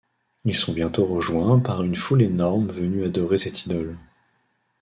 Ils sont bientôt rejoints par une foule énorme venue adorer cette idole.